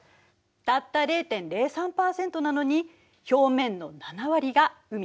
たった０．０３％なのに表面の７割が海。